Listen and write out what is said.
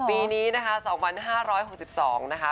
ปีนี้นะคะ๒๕๖๒นะคะ